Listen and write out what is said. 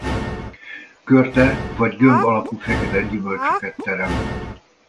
Körte vagy gömb alakú fekete gyümölcsöket terem.